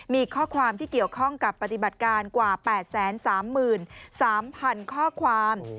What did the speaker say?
มีข้อความที่เกี่ยวข้องกับปฏิบัติการกว่า๘๓๓๐๐๐ข้อความ